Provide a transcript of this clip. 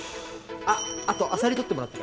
ああとアサリ取ってもらって。